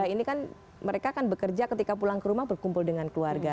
ini kan mereka kan bekerja ketika pulang ke rumah berkumpul dengan keluarga